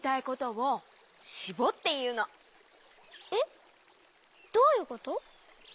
えっどういうこと？